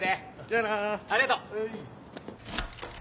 ありがとう。